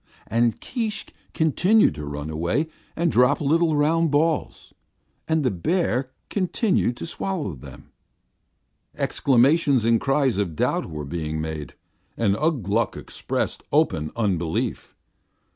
And Keesh continued to run away and drop little round balls, and the bear continued to swallow them up." Exclamations and cries of doubt were being made, and Ugh Gluk expressed open unbelief.